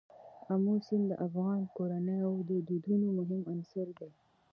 آمو سیند د افغان کورنیو د دودونو مهم عنصر دی.